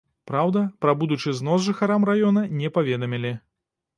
Праўда, пра будучы знос жыхарам раёна не паведамілі.